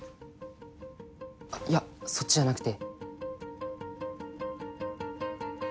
いやそっちじゃなくて。